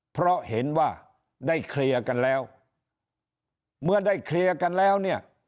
เพราะเห็นว่าได้เคลียร์กันแล้วเมื่อได้เคลียร์กันแล้วเนี่ย